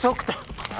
あ？